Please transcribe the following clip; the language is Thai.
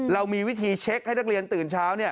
เรามีวิธีเช็คให้นักเรียนตื่นเช้า